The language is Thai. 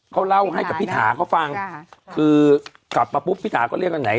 เขาเล่าให้กับพี่ถาเขาฟังคือกลับมาปุ๊บพี่ถาก็เรียกอันไหน